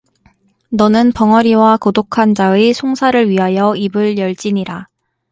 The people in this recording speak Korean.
너는 벙어리와 고독한 자의 송사를 위하여 입을 열지니라